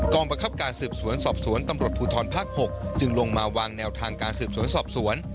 บังคับการสืบสวนสอบสวนตำรวจภูทรภาค๖จึงลงมาวางแนวทางการสืบสวนสอบสวน